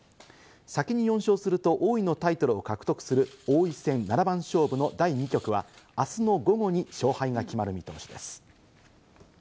先に４勝すると王位のタイトルを獲得する王位戦七番勝負の第２局は、あすの午後に勝敗が決まる見通しです。